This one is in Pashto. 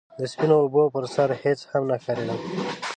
د سپينو اوبو پر سر هيڅ هم نه ښکارېدل.